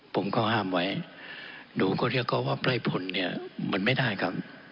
ผมก็ห้ามไว้หนูก็เรียกเขาว่าไร่ผลเนี่ยมันไม่ได้ครับ